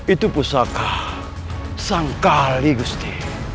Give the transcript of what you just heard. itu pusaka sangkali gusti